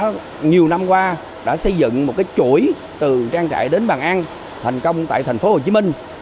chúng tôi đang qua đã xây dựng một cái chuỗi từ trang trại đến bàn ăn thành công tại thành phố hồ chí minh